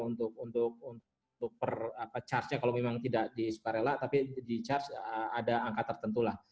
untuk per charge nya kalau memang tidak di sukarela tapi di charge ada angka tertentu lah